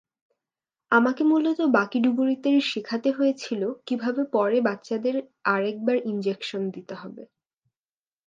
আমাকে মূলত বাকি ডুবুরিদের শেখাতে হয়েছিল কীভাবে পরে বাচ্চাদের আর একবার ইনজেকশন দিতে হবে।